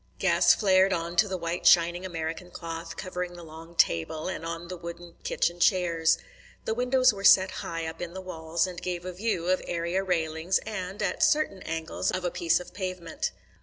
Gas flared on to the white shining American cloth covering the long table and on the wooden kitchen chairs. The windows were set high up in the walls, and gave a view of area railings and, at certain angles, of a piece of pavement.